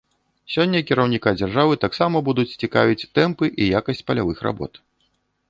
Сёння кіраўніка дзяржавы таксама будуць цікавіць тэмпы і якасць палявых работ.